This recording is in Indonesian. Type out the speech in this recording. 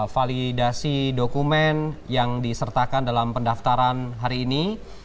validasi dokumen yang disertakan dalam pendaftaran hari ini